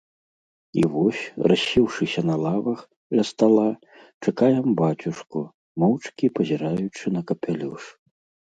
І вось, рассеўшыся на лавах, ля стала, чакаем бацюшку, моўчкі пазіраючы на капялюш.